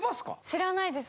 知らないです。